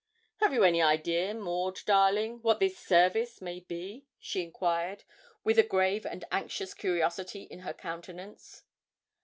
'Have you any idea, Maud, darling, what this service may be?' she enquired, with a grave and anxious curiosity in her countenance.